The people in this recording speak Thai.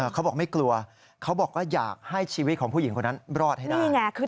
เขาบอกไม่กลัวเขาบอกว่าอยากให้ชีวิตของผู้หญิงคนนั้นรอดให้ได้